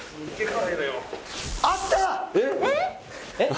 えっ？